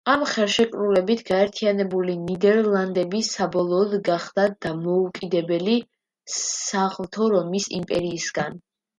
ამ ხელშეკრულებით გაერთიანებული ნიდერლანდები საბოლოოდ გახდა დამოუკიდებელი საღვთო რომის იმპერიისგან.